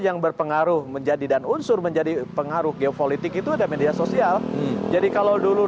yang berpengaruh menjadi dan unsur menjadi pengaruh geopolitik itu ada media sosial jadi kalau dulu